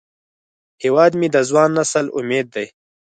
هیواد مې د ځوان نسل امید دی